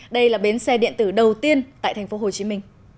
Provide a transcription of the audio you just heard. đây là bến xe điện tử đầu tiên tại tp hcm